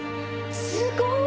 すごい！